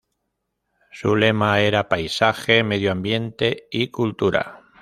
Su lema era "Paisaje, medio ambiente y cultura".